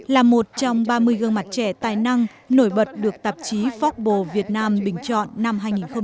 là một trong ba mươi gương mặt trẻ tài năng nổi bật được tạp chí phóc bồ việt nam bình chọn năm hai nghìn một mươi năm